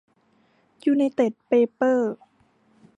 ยูไนเต็ด เปเปอร์